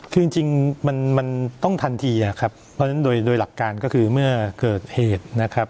คือจริงมันต้องทันทีครับเพราะฉะนั้นโดยหลักการก็คือเมื่อเกิดเหตุนะครับ